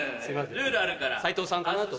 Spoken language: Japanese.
ルールあるから。